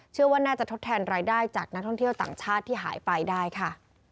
ว่าน่าจะทดแทนรายได้จากนักท่องเที่ยวต่างชาติที่หายไปได้ค่ะ